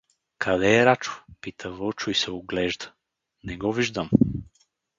— Къде е Рачо? — пита Вълчо и се оглежда. — Не го виждам.